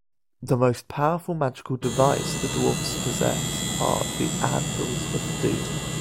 The most powerful magical device the Dwarfs possess are the Anvils of Doom.